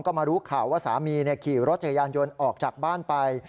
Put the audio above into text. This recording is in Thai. ก็มารู้ข่าวว่าสามีขี่รถจักรยานยนต์ออกจากบ้านไป